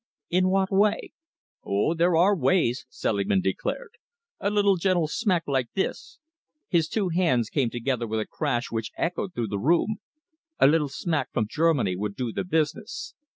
"In what way?" "Oh! there are ways," Selingman declared. "A little gentle smack like this," his two hands came together with a crash which echoed through the room "a little smack from Germany would do the business.